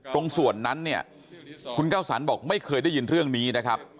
ตรงส่วนนั้นเนี่ยคุณก้าวสรรบอกไม่เคยได้ยินเรื่องนี้นะครับ